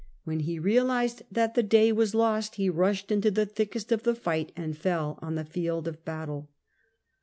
When he realized that the day was lost, he rushed into the thickest of the fight, and fell on the field of battle.